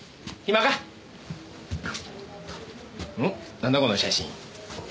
なんだこの写真？